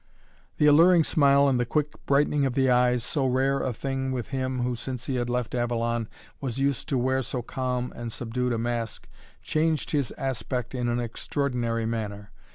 The alluring smile and the quick brightening of the eyes, so rare a thing with him who, since he had left Avalon, was used to wear so calm and subdued a mask, changed his aspect in an extraordinary manner.